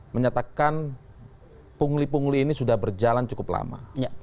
menyatakan pungli pungli ini sudah berjalan cukup lama